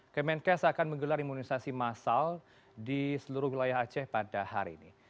kemenkes akan menggelar imunisasi massal di seluruh wilayah aceh pada hari ini